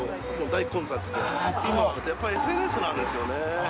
今やっぱＳＮＳなんですよね。